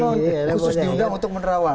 khusus diundang untuk menerawang